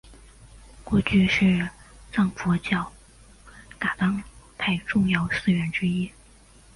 过去是藏传佛教噶当派重要寺院之一。